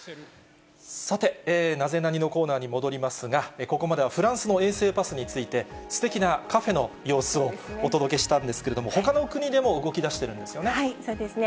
さて、ナゼナニっ？のコーナーに戻りますが、ここまではフランスの衛生パスについて、すてきなカフェの様子をお届けしたんですけども、ほかの国でも動そうですね。